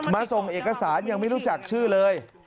ส่งเอกสารยังไม่รู้จักชื่อเลย